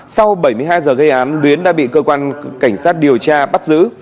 sau bảy mươi hai giờ gây án luyến đã bị cơ quan cảnh sát điều tra bắt giữ